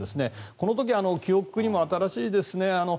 この時、記憶にも新しいですね。